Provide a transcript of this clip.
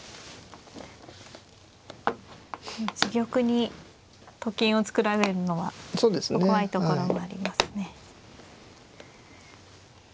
自玉にと金を作られるのは怖いところもありますね。